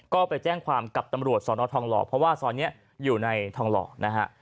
ก็ไปแจ้งความกับตำรวจสอนอทองหล่อเพราะว่าซอยนี้อยู่ในทองหล่อนะฮะ